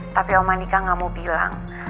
tapi om manika gak mau bilang